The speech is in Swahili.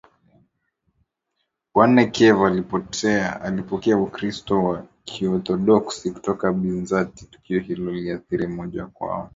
na nane Kiev ilipokea Ukristo wa Kiorthodoksi kutoka Bizanti Tukio hilo liliathiri moja kwa